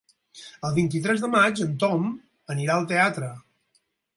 El vint-i-tres de maig en Tom anirà al teatre.